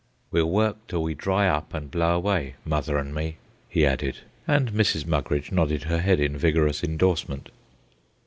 "We'll work till we dry up and blow away, mother an' me," he added; and Mrs. Mugridge nodded her head in vigorous indorsement.